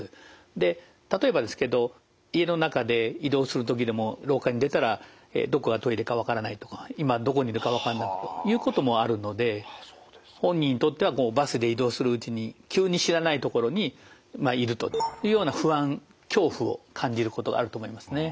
で例えばですけど家の中で移動する時でも廊下に出たらどこがトイレかわからないとか今どこにいるかわかんないということもあるので本人にとってはバスで移動するうちに急に知らないところにいるというような不安恐怖を感じることがあると思いますね。